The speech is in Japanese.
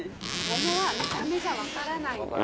桃は見た目じゃ分からないので。